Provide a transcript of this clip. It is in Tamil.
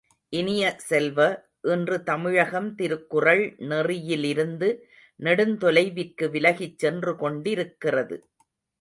இனிய செல்வ, இன்று தமிழகம் திருக்குறள் நெறியிலிருந்து நெடுந்தொலைவிற்கு விலகிச் சென்று கொண்டிருக்கிறது.